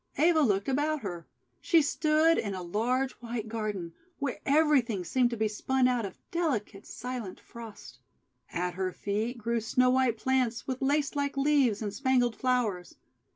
Eva looked about her. She stood In a large white garden, where everything seemed to be spun out of delicate silent Frost. At her feet grew snow white plants with lace like leaves and spangled flowers.